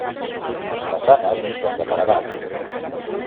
Les façanes són de paredat.